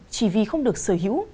chỉ vì không được sở hữu